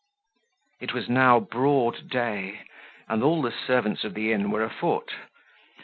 It was now broad day, and all the servants of the inn were afoot.